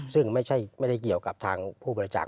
ซึ่งไม่ได้เกี่ยวกับทางผู้บริจาค